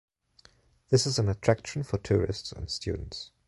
This is an attraction for tourists and students.